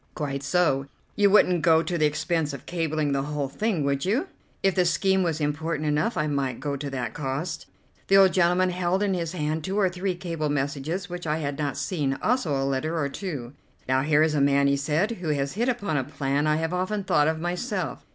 "Quite so. You wouldn't go to the expense of cabling the whole thing, would you?" "If the scheme was important enough I might go to that cost." The old gentleman held in his hand two or three cable messages which I had not seen, also a letter or two. "Now, here is a man," he said, "who has hit upon a plan I have often thought of myself.